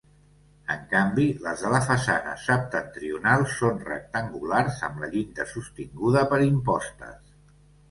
En canvi, les de la façana septentrional són rectangulars, amb la llinda sostinguda per impostes.